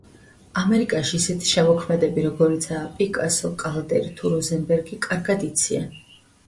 ამერიკაში ისეთ შემოქმედები, როგორიცაა პიკასო, კალდერი თუ როზენბერგი, კარგად იციან.